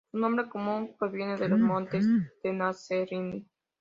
Su nombre común proviene de los montes Tenasserim.